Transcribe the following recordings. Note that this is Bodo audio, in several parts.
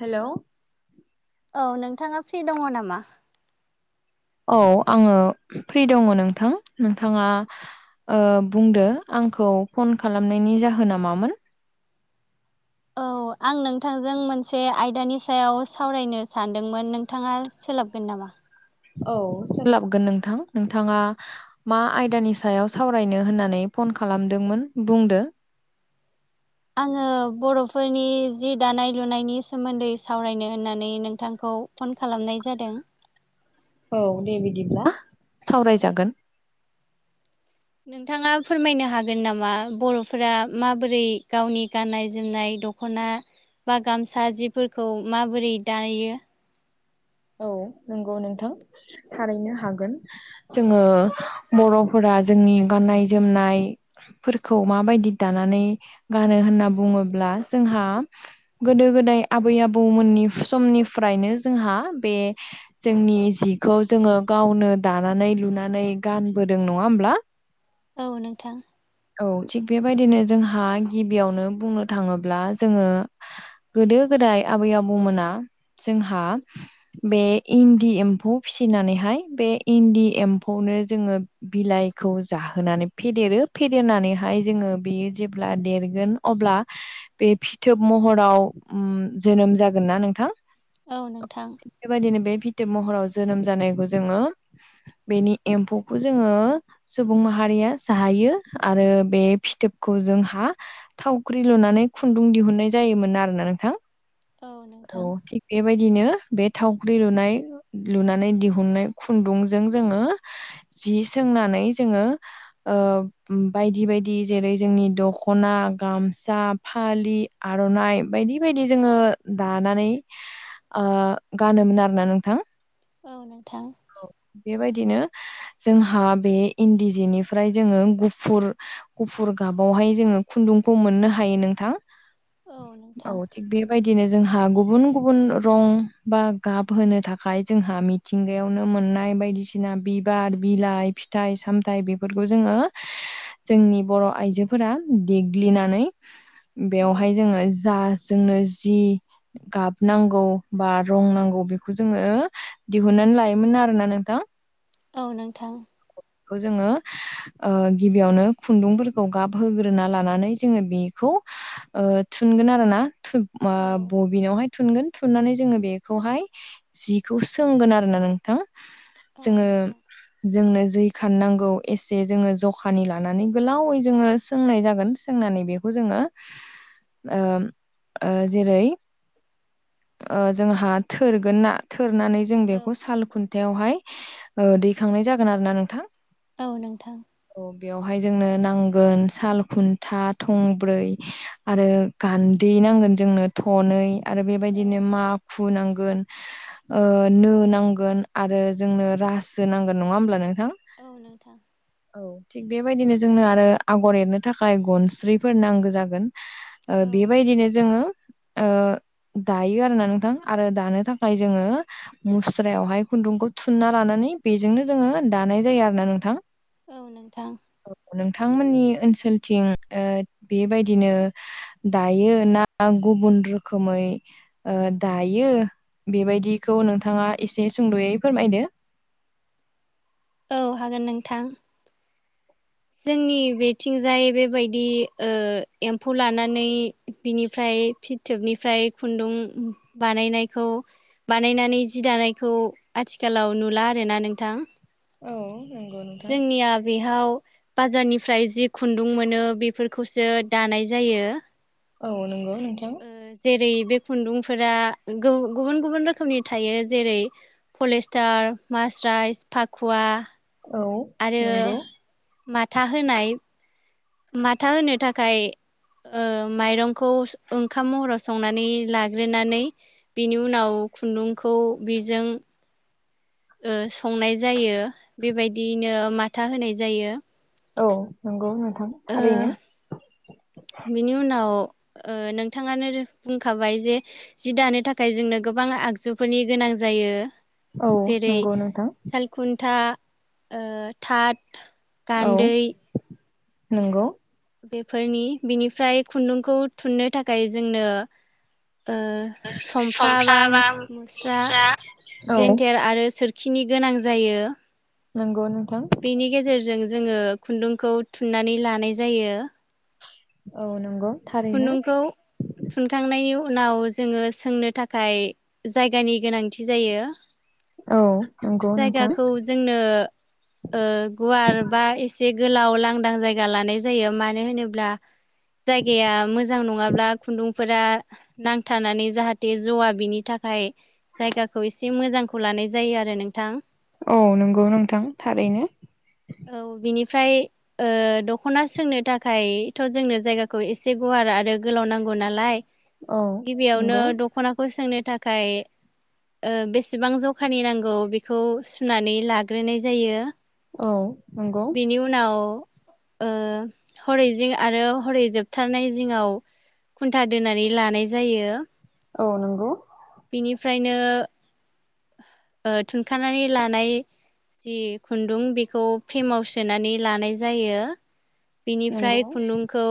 हेल'। औ नोंथाङा फ्रि दङ नामा? औ आङो फ्रि दङ नोंथां नोंथाङा। ओ बुंदो आंखौ फन खालामनायनि जाहोन नामामोन? औ। आं नोंथांजों मोनसे आयदानि सायाव सावरायनो सानदोंमोन नोंथाङा सोलाबगोन नामा? औ सोलाबगोन नोंथां नोंथाङा मा आयदानि सायाव सावरायनो होननानै फन खालामदोंमोन बुंदो? आङो बर'फोरनि जि दानाय लुनायनि सोमोन्दै सावरायनो होननानै नोंथांखौ खौ फन खालामनाय जादों। औ दे बिदिब्ला सावराय जागोन। नोंथाङा फोरमायनो हागोन नामा बर'फोरा माबोरै गावनि गाननाय जोमनाय द दख'ना बा गामसा जिफोरखौ माबोरै दायो औ नंगौ नोंथां थारैनो हागोन जोङो बर'फोरा जोंनि गाननाय जोमनायफोरखौ माबायदि दानानै गानो होनना बुङो ब्ला जोंहा गोदो गोदाय आबै आबौमोननि समनिफ्रायनो जोंहा बे जोंनि जिखौ जोङो गावनो दानानै लुनानै गानबोदों नङा होमब्ला [unintelligible] औ नोंथां औ थिग बेबायदिनो जोंहा गिबियावनो बुंनो थाङोब्ला जोङो गो गोदो गोदाय आबै आबौमोना जोंहा बे इन्दि एम्फौ फिसिनानै बेहाय इन्दि एम्फौनो जोङो बिलाइखौ जाहोनानै फेदेरो फेदेरनानैहाय जोङो बेयो जेब्ला देरगोन अब्ला बे फिथोब महराव ओम जोनोम जागोन ना नोंथां औ नोंथां बेबायदिनो बे फिथोब महराव जोनोम जानायखौ जोङो बेनि एम्फौखौ जोङो सुबुं माहारि हारिया जाहायो आरो बे फिथोबखौ जोंहा थावख्रि लुनानै खुन्दुं दिहुननाय जायोमोन आरोना नोंथां औ नोंथां औ थिग बेबायदिनो बे थावख्रि लुनाय लुनानै दिहुननाय खुन्दुंजों जोङो जि सोंनानै जोंङो ओ बायदि बायदि जेरै जोंनि दखना गामसा फालि आर'नाइ बाय दि बायदि जोङो दानानै ओ गानोमोन आरोना नोंथां औ नोंथां जोङो जोंहा बे इन्दि जिनिफ्राय जोङो गुफ गुफुर गुफुर गाबावहाय जोङो खुन्दुंखौ मोननो हायो नोंथां औ नोंथां बिदिनो जोंहा गुबुन गुबुन रं बा गाब होनो थाखाय जोंहा मिथिंगायावनो मोनो ननाय बायदिसिना बिबार बिलाइ फिथाइ सामथाइ बेफोरखौ जोङो जोंनि बर' आइजोफोरा देग्लिनानै औ बेवहाय जोंङो जा जोंनो जि गाब नांगौ बा रं नांगौ बेखौ जोङो दिहुननानै लायोमोन आरोना नोंथां औ नोंथां खौ जोङो ओ गिबियावनो खुन्दुंफोरखौ गाबहोग्रोना लानानै जोङो बेखौ ओ थुन गोन आरोना थुब ओ औ बबिनावहाय थुनगोन थुननानै जोङो बेखौहाय जिखौ सोंगोन आरोना नोंथां औ जोङो नोंथां जोंनो जै खाननांगौ एस जे जोङो जखानि लानानै गोलावै जोङो सोंनाय जागोन सोंनानै बेखौ जोङो ओ ओ जेरै ओ जोंहा थोरगोन ना थोर नानै जों औ बेखौ साल खुन्थायावहाय ओ दैखांनाय जागोन आरो ना नोंथां औ नोंथां बेयावहाय जोंनो नांगोन साल मखुन्था थंब्रै आरो गान्दै नांगोन जोंनो थनै ओरो औ बेबायदिनो माखु नां गोन ओ नो नांगोन आरो जोंनो रासो नांगोन नङा होमब्ला नों औ नोंथां औ थिग बेबायदिनो जोंनो आरो आगर एरनो थाखाय गनस्रिफोर नांगौ जागोन ओ औ बेबायदिनो जोङो ओ [inaudible] दायो आरोना नोंथां आरो दानो थाखाय जोङो मुस्रायावहाय खुन्दुंखौ थुनना लानानै बेजोंनो जोङो दानाय जायो आरो ना नोंथां। औ नोंथां। नोंथांमोननि ओनसोलथिं ओ बेबायदिनो दायो ना गु गुबुन रोखोमै दायो। बेबायदिखौ नोंथाङा एसे सुंद'यै फोरमायदो। औ हागोन नोंथां। जोंनि बेथिंजाय बेबायदि ओ एम्फौ लानानै बिनिफ्राय फिथोबनिफ्राय खुन्दुं बानायनायखौ बानायनानै जि दानायखौ आथिखालाव नुला आरोना नोंथां, औ नंगौ नोंथां जोंनिया बेयाव बाजारनिफ्राय जि खुन्दुं मोनो बेफोरखौसो दानाय जायो औ नोंगौ जेरै बे खुन्दुंफोरा गुबुन गुबुन रोखोमनि थायो जेरै पलिस्टार म प्राइस फाखुवा औ आरो नंगौ माथा होनाय माथा होनो थाखाय माइरंखौ ओंखाम महराव संनानै लाग्रोनानै बिनि उनाव खुन्दुंखौ बेजों ओ संनाय जायो बेबायदियैनो माथा होनाय जायो। औ नंगौ नोंथां ओ थारैनो बिनि उनाव नोंथाङानो बुंखाबाय जे जि दानो थाखाय जोंनो गोबां गोबां आगजुफोरनि गोनां जायो औ जेरै- नंगौ नोंथां सालखुन्था ओ थाथ गान्दै नोंगौ बेफोरनि बिनिफ्राय खुन्दुंखौ थुननो थाखाय जोंनो ओ सफ्ला बा मुस्रा स्रा औ जेन्थेर आरो सोर खिनि गोनां जायो। नांगौनो बेनि गेजेरजों जोङो खुन्दुंखौ थुननानै लानाय जायो। औ नंगौ थारैनो खुन्दुंखौ थुनखांनायनि। उनाव जोङो सोंनो थाखाय जायगानि गोनांथि जायो। औ नंगौ नोंथां जायगाखौ जोंनो गुवार बा एसे एसे गोलाव लांदां जायगा लानाय जायो मानो होनोब्ला जाय गया मोजां नङाब्ला खुन्दुंफोरा नांथारनानै जाहाथे ज'वा बिनि थाखाय जायगाखौ एसे मोजांखौ लानाय जायो आरो नोंथां औ नंगौ नोंथां थारैनो औ बिनिफ्राय दख'ना सोंनो थाखायथ' जोंनो जायगाखौ एसे गुवारा आरो गोलाव नांगौ नालाय औ गिबियावनो नंगौ दख'नाखौ सोंनो थाखाय बेसेबां जखानि नांगौ बेखौ सुनानै लाग्रोनाय जायो। औ नंगौ बेनि उनाव ओ हरै जिं आरो हरै जोबथारनाय जिङाव खुन्था दोननानै लानाय जायो। औ नंगौ ओफ्रायनो थुनखानानै लानाय जि खुन्दुं बेखौ फ्रेमाव सोनानै लानाय जायो नंगौ बेनिफ्राय खुन्दुंखौ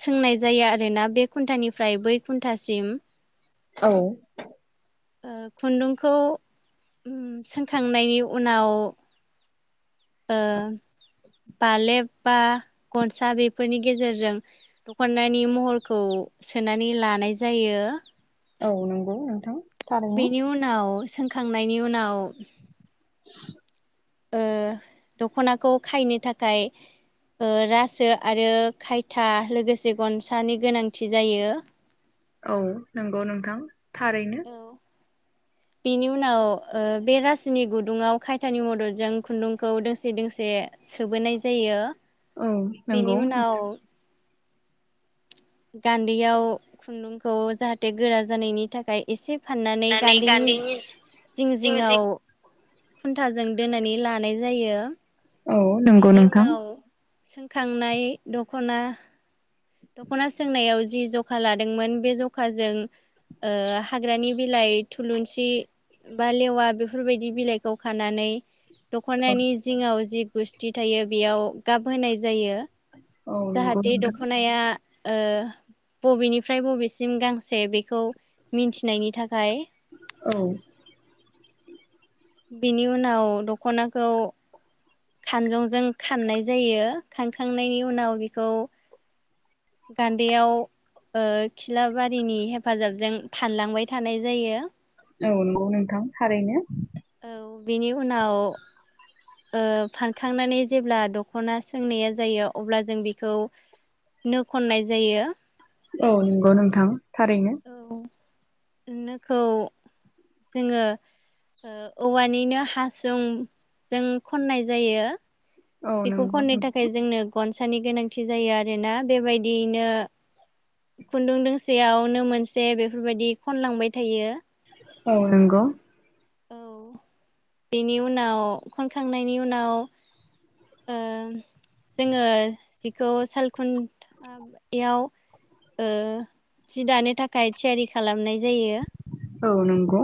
सोंनाय जायो आरोना बे घुन्टानिफ्राय बै घुन्टासिम औ खुन्दुंखौ सोंखांनायनि उनाव द बालेब बा गनसा बेफोरनि गेजेरजों दख'नानानायनि महरखौ सोनानै लानाय जायो। औ नंगौ नोंथां थारैनो बेनि उनाव सोंखांनायनि उनाव ओ उनदख'नाखौ खायनो थाखाय रासो आरो खायथा लोगोसे गनसानि गोनांथि जायो। औ नंगौ नोंथां थारैनो। [inaudible] बिनि उनाव बे रासिनि गुदुङाव खायथानि मददजों खुन्दुंखौ दोंसे दोंसे सोबोनाय जायो। बेनि उनाव [unintelligible] गान्दैयाव खुन्दुंखौ जाहाथे गोरा जानायनि फाननानै गान्दैनि सि जिं जिंआव खुन्थाजों दोनानै लानाय जायो। औ नंगौ बेनि नोंथां उनाव सोंखांनाय दख'ना, दख'ना सोंनायाव जि जखा लादोंमोन बे जखाजों ओ हाग्रानि बिलाइ थुलुंसि, बा लेवा बेफोरबायदि बिलाइखौ खानानै औ दख'नानि जिङाव जि गुस्थि थायो बेयाव गाब होनाय जायो। औ नंगौ जाहाथे नोंथां दख'नाया ओ बबेनिफ्राय बबेसिम गांसे बेखौ मिन्थिनायनि थाखाय औ बेनि उनाव दखनाखौ खानजंजों खाननाय जायो खानखांनायनि उनाव बिखौ गान्दैयाव ओ खिलाबारिनि हेफाजाबजों फानलांबाय थानाय जायो। औ नंगौ नोंथां थारैनो, औ बेनि उनाव ओ फानखांनानै जेब्ला दख'ना सोंनाया जायो अब्ला जों बेखौ नो खननाय जायो। औ नंगौ नोंथां थारैनो, औ नोखौ जोङो ओ औवानिनो हासुंजों खननाय जायो, औ बेखौ नंगौ खननो थाखाय जोंनो गनसानि गोनांथि जायो आरोना बेबायदियैनो खुन्दुं दोंसेयाव नो मोनसे बेफोरबायदि खनलांबाय थायो, औ नंगौ औ बेनि उनाव खनखांनायनि उनाव ओं जों जिखौ सालखुन्थायाव ओ जि दानो थाखाय थियारि खालामनाय जायो। औ नंगौ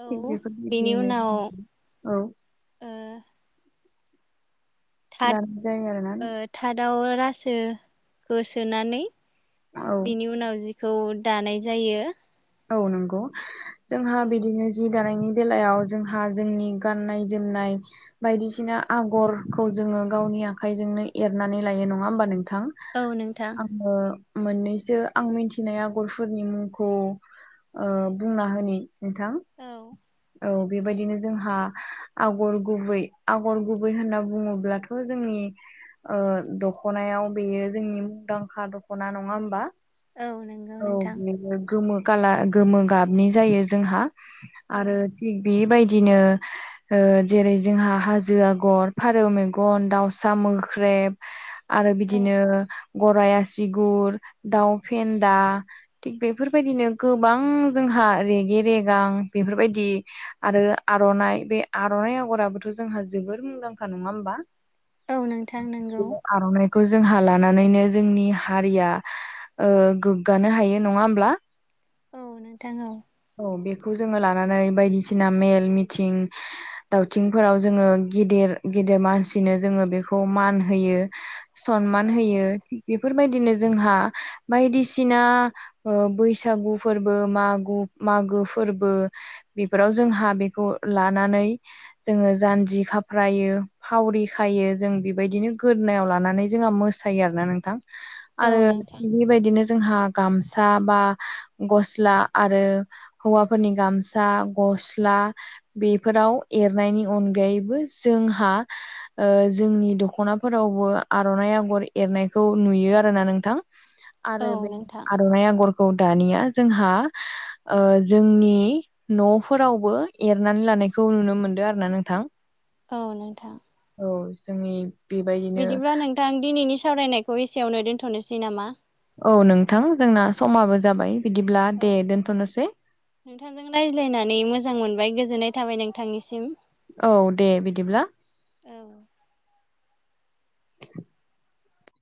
औ बेनि बेफोरबायदियैनो उनाव औ, थाद‌ दानाय जायो आरोना ओ‌ थादावोद रासो होसोनानै औ बिनि उनाव जि, खौ दानाय जायो। औ नंगौ जोंहा औ बिदिनो जि जि दानायनि बेलायाव जोंहा जोंनि गाननाय जोमनाय बायदिसिना आगरखौ जों ओं गावनि आखाइजोंनो एरनानै लायो नङा होमबा नोंथां? औ नोंथां नोथां आङो मोननैसो आं मिन्थिनाय आगरफोरनि मुंखौ ओ बुंना होनि नोंथां औ औ बेबायदिनो जोंहा आगर गुबै आगर गुबै होनना बुङोब्लाथ' जोंनि ओ दख'नायाव बेयो जोंनि मुंदांखा दखना नङा होमबा? औ नंगौ औ नोंथां बेनो गोमो खालार गोमो गाबनि जायो जोंहा औ आरो बेबायदि बिदिनो जेरै ओ जोंहा हाजो आगर फारौ मेगन दाउसा मोख्रै आरो औ बिदिनो ग'राय आसुगुर दाउ फेन्द दा थिग बेफोरबायदिनो गोबां जोंहा रेगे रेगां बेफोरबायदि आरो आर'नाइ बे आर'नाइ आग'राबोथ' जोंहा जोबोर मुंदांखा नङा होमबा? औ नोंथां नंगौ बि आरनाय खौ जोंहा लानानैनो जोंनि हारिया गोग्गानो हायो नङा होमब्ला औ नोंथां औ। बेखौ जोङो लानानै बायदिसिना मेल मिथिं दावथिंफोराव जोङो गेदेर गेदेर मानसिनो जों बेखौ मान होयो समान औ होयो बे बेबायदिनो जोंहा बायदिसिना बैसागु फोरबो मागो मागो फोरबो बेफोराव जोंहा बेखौ लानानै जोङो जानजि खालाम खााफ्रायो फावरि खायो जों बेबायदिनो गोदोनायाव लानानै जोंहा मोसायो आरोना नोंथां औ आरो नोंथां बेबायदिनो जोंहा गामसा बा गस्ला आरो हौवाफोरनि गामसा गस्ला बेफोराव एरनायनि अनगायैबो जोंहा जोंनि दखनाफोरावबो आरनाइ आगर एरनायखौ नुयो। आरोना नोंथां औ आरो बे नोंथां आरनाइ आगरखौ दानिया जोंहा जोंनि नफोरावबो एरनानै लानायखौ नुनो मोनदों आरो ना नोंथां औ नोंथां। जोंनि बेबायदिनो बिदिब्ला नोंथां दिनैनि सावरायनायखौ एसेयावनो दोन्थनोसै नामा औ नोंथां जोंना समाबो जाबाय बिदिब्ला औ दे दोनथ'नोसै नोंथांजों रायज्लायनानै मोजां मोनबाय गोजोननाय थाबाय नोंथांनिसिम औ दे बिदिब्ला औ